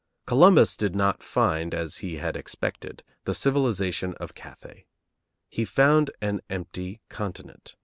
Columbus did not find, as he had expected, the civilization of Cathay; he found an empty continent.